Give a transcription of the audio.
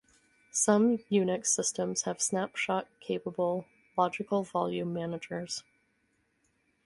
Some Unix systems have snapshot-capable logical volume managers.